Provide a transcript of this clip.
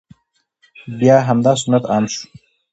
بیا همدا سنت عام شو،